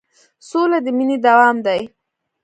سوله د مینې دوام دی.